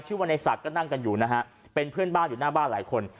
ว่าในศักดิ์ก็นั่งกันอยู่นะฮะเป็นเพื่อนบ้านอยู่หน้าบ้านหลายคน